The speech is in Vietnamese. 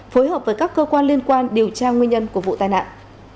phối hợp với các cơ quan liên quan điều tra nguyên nhân của vụ tai nạn